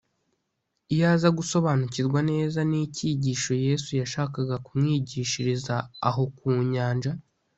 iyo aza gusobanukirwa neza n’icyigisho yesu yashakaga kumwigishiriza aho ku nyanja,